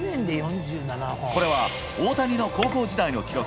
これは大谷の高校時代の記録